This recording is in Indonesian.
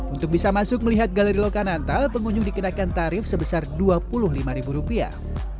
untuk bisa masuk melihat galeri lokananta pengunjung dikenakan tarif sebesar dua puluh lima ribu rupiah